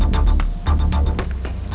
terima kasih banyak pak